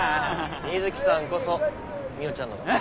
水木さんこそみよちゃんのこと。